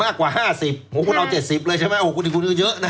มากกว่า๕๐คุณเอา๗๐เลยใช่ไหมคุณคือเยอะนะ